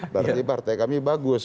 berarti partai kami bagus